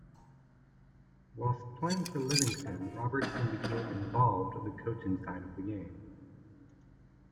Whilst playing for Livingston, Robertson became involved the coaching side of the game.